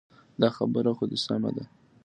دا خبره خو دې سمه ده.